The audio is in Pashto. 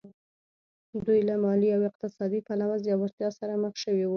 دوی له مالي او اقتصادي پلوه ځوړتیا سره مخ شوي وو